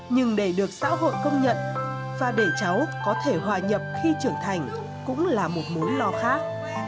nhưng để được xã hội công nhận và để cháu có thể hòa nhập khi trưởng thành cũng là một mối lo khác